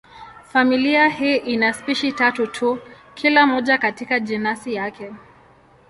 Familia hii ina spishi tatu tu, kila moja katika jenasi yake.